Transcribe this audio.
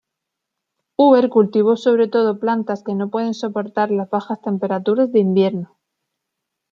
Huber cultivó sobre todo plantas que no pueden soportar las bajas temperaturas de invierno.